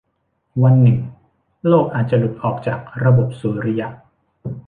วันหนึ่งโลกอาจจะหลุดออกจากระบบสุริยะ